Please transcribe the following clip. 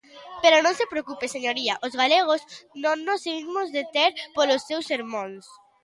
Pero non se preocupe, señoría, os galegos non nos imos deter polos seus sermóns.